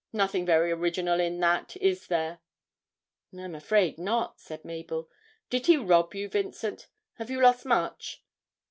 Nothing very original in that, is there?' 'I'm afraid not,' said Mabel. 'Did he rob you, Vincent? Have you lost much?'